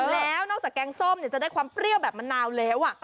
แล้วนอกจากแกงส้มจะได้ความเปรี้ยวแบบมะนาวแล้ว